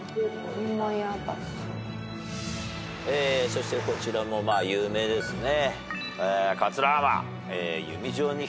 そしてこちらも有名ですね。